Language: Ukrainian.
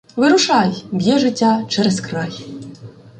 Вирушай: б’є життя через край!